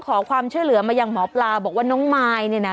ขอความช่วยเหลือมายังหมอปลาบอกว่าน้องมายเนี่ยนะ